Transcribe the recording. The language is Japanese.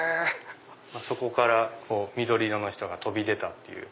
あそこから緑色の人が飛び出たっていう。